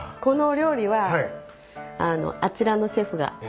このお料理はあちらのシェフが。